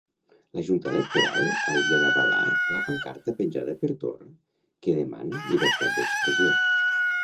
La junta electoral hauria d'avalar la pancarta penjada per Torra que demana llibertat d'expressió.